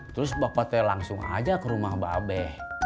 terus bapak t langsung aja ke rumah mbak abe